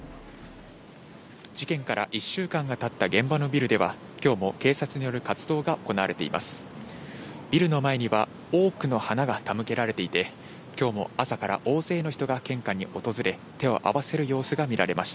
事件から１週間が経った現場のビルでは、今日も警察による活動が行われています。